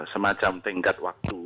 semacam tengkat waktu